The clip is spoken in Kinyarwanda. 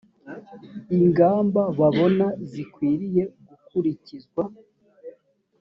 ingamba babona zikwiriye gukurikizwa.